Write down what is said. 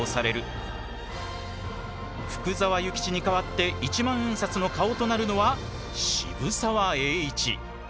福沢諭吉に代わって１万円札の顔となるのは渋沢栄一。